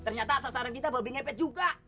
ternyata sasaran kita baby ngepet juga